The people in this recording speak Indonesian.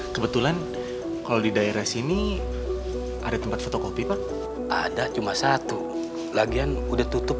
kebetulan kalau di daerah sini ada tempat fotokopi pak ada cuma satu lagian udah tutup